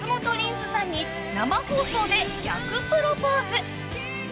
すさんに生放送で逆プロポーズ。